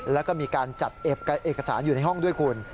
แล้วก็มีการจัดเอกสารอยู่ในห้องด้วยคุณ